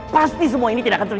pasti semua ini tidak akan terjadi